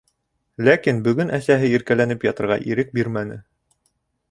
Ләкин бөгөн әсәһе иркәләнеп ятырға ирек бирмәне.